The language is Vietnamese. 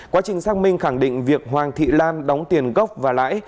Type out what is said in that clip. quá trình xác minh khẳng định việc hoàng thị lan đóng tiền gốc và lãi